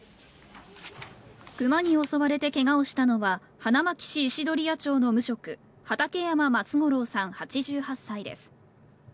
クマに襲われてけがをしたのは、花巻市石鳥谷町の無職、畠山松五郎さん８８歳です。